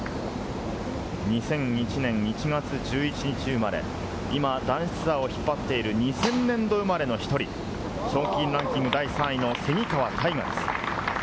２００１年１月１１日生まれ、今、男子ツアーを引っ張っている２０００年度生まれの一人、賞金ランキング第３位の蝉川泰果です。